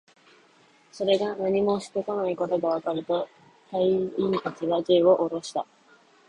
それが何もしてこないことがわかると、隊員達は銃をおろした